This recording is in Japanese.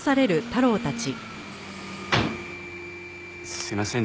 すいません